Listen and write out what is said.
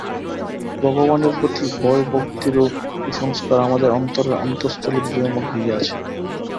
ভগবানের প্রতি ভয়ভক্তিরূপ কুসংস্কার আমাদের অন্তরের অন্তস্তলে দৃঢ়মূল হইয়া আছে।